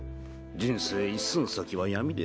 人生一寸先は闇である。